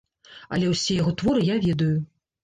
Але ўсе яго творы я ведаю.